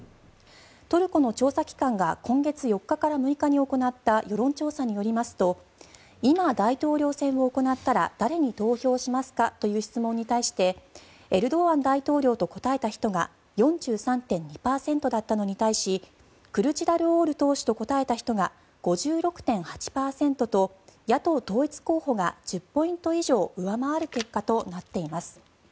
トルコの調査機関が今月４日から６日に行った世論調査によりますと今、大統領選を行ったら誰に投票しますかという質問に対してエルドアン大統領と答えた人が４３．２％だったのに対しクルチダルオール党首と答えた人が５６．８％と野党統一候補が１０ポイント以上上回る結果となっています。